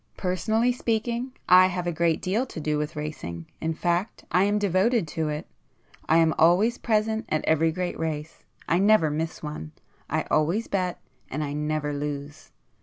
Personally speaking I have a great deal to do with racing,—in fact I am devoted to it. I am always present at every great race,—I never miss one; I always bet, and I never lose!